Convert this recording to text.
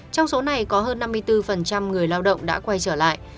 trong số này có hơn năm mươi bốn người lao động đã quay trở lại